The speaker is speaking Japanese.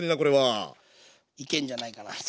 いけんじゃないかなと。